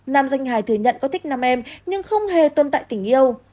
nam danh hài thừa nhận có thích nam em nhưng không hề tôn tại tình yêu